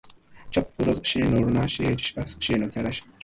چې ورځ شي نو رڼا شي، چې شپه شي نو تياره شي.